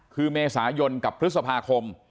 คือเมษายนกับพฤษภาคม